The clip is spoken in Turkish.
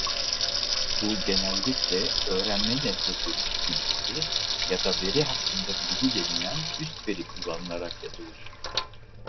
Bu genellikle "öğrenme nesnesi üstbilgisi" ya da "veri hakkında bilgi" denilen üstveri kullanılarak yapılır.